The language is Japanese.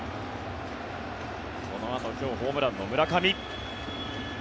このあと今日ホームランの村上。